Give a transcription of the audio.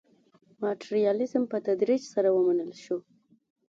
ماټریالیزم په تدریج سره ومنل شو.